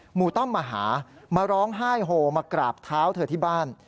ต้อมมาหามาร้องไห้โฮมากราบเท้าเธอที่บ้าน